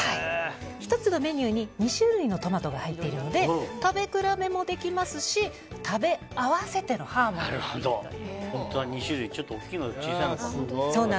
１つのメニューに２種類のトマトが入っているので食べ比べもできますし食べ合わせてのハーモニーもいいという。